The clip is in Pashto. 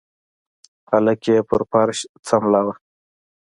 هلک يې په فرش سملوه.